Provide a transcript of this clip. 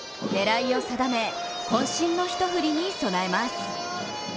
狙いを定めこん身の一振りに備えます。